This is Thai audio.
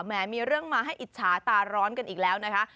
แม้มีเรื่องมาให้อิจฉาตาร้อนกันอีกแล้วนะคะ